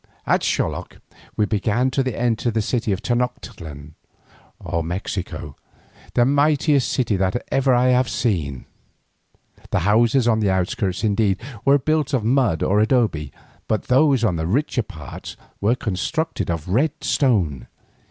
At Xoloc we began to enter the city of Tenoctitlan or Mexico, the mightiest city that ever I had seen. The houses on the outskirts, indeed, were built of mud or adobe, but those in the richer parts were constructed of red stone.